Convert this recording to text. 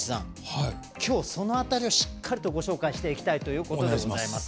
きょう、その辺りをしっかりとご紹介していきたいと思います。